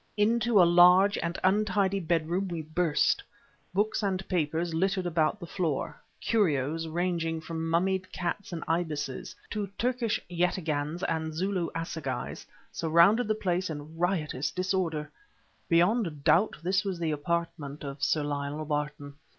Into a large and untidy bedroom we burst. Books and papers littered about the floor; curios, ranging from mummied cats and ibises to Turkish yataghans and Zulu assegais, surrounded the place in riotous disorder. Beyond doubt this was the apartment of Sir Lionel Barton.